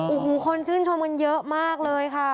โอ้โหคนชื่นชมกันเยอะมากเลยค่ะ